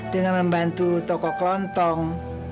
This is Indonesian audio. dengan membantu tokoh klontong